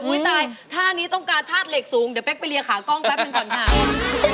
ตายท่านี้ต้องการธาตุเหล็กสูงเดี๋ยวเป๊กไปเรียขากล้องแป๊บหนึ่งก่อนค่ะ